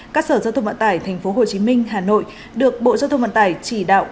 các sở giao thông vận tải tp hcm hà nội được bộ giao thông vận tải chỉ đạo